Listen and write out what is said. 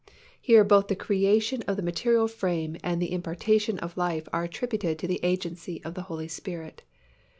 Here both the creation of the material frame and the impartation of life are attributed to the agency of the Holy Spirit.